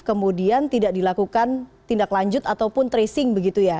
kemudian tidak dilakukan tindak lanjut ataupun tracing begitu ya